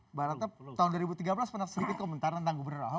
mbak ratna tahun dua ribu tiga belas pernah sedikit komentar tentang gubernur ahok